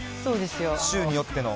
週によっての。